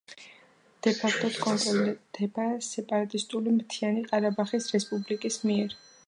დე-ფაქტოდ კონტროლირდება სეპარატისტული მთიანი ყარაბაღის რესპუბლიკის მიერ.